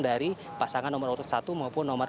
dari pasangan nomor urut satu maupun nomor